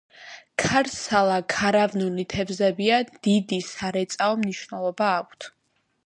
ქარსალა ქარავნული თევზებია, დიდი სარეწაო მნიშვნელობა აქვთ.